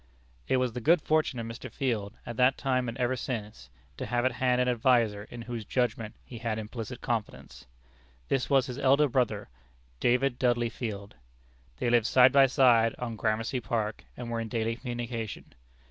It was the good fortune of Mr. Field at that time and ever since to have at hand an adviser in whose judgment he had implicit confidence. This was his eldest brother, David Dudley Field. They lived side by side on Gramercy Park, and were in daily communication.